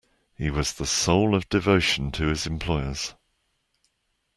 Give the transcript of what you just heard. He was the soul of devotion to his employers.